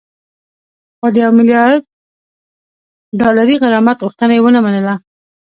خو د یو میلیارد ډالري غرامت غوښتنه یې ونه منله